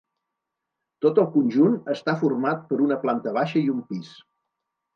Tot el conjunt està format per una planta baixa i un pis.